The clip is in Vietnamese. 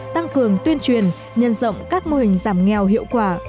tăng cường tuyên truyền nhân rộng các mô hình giảm nghèo hiệu quả